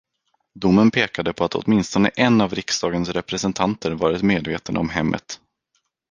Domen pekade på att åtminstone en av riksdagens representanter varit medveten om hemmet.